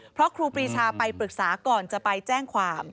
เพราะครูปรีชาไปปรึกษาก่อนจะไปแจ้งความ